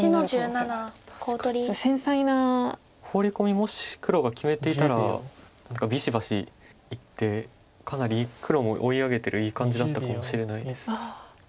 もし黒が決めていたら何かビシバシいってかなり黒も追い上げてるいい感じだったかもしれないです。